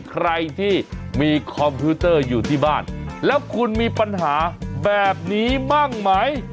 ใครที่มีคอมพิวเตอร์อยู่ที่บ้านแล้วคุณมีปัญหาแบบนี้บ้างไหม